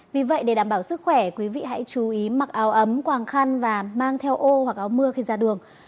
vì vậy để đảm bảo sức khỏe quý vị hãy chú ý mặc áo ấm quàng khăn và mang theo ô hoặc áo mưa khi ra đường